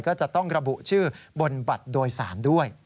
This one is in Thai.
ก็จะต้องระบุชื่อบนบัตรโดยสารด้วย